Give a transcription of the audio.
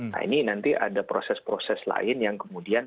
nah ini nanti ada proses proses lain yang kemudian